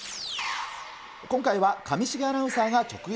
今回は上重アナウンサーが直撃。